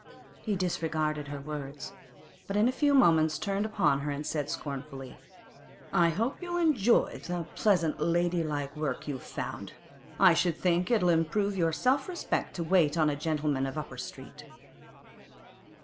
He disregarded her words, but in a few moments turned upon her and said scornfully: 'I hope you'll enjoy the pleasant, ladylike work you've found! I should think it'll improve your self respect to wait on the gentlemen of Upper Street!